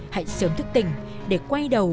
hãy sớm thức tình để quay đầu